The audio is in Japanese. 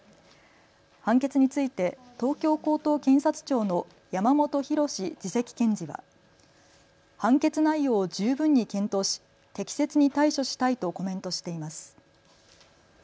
判決について東京高等検察庁の山元裕史次席検事は判決内容を十分に検討し適切に対処したいとコメントしています。